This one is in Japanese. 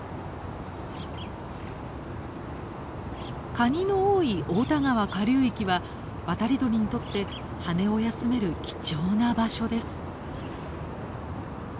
カニの多い太田川下流域は渡り鳥にとって羽を休める貴重な場所です。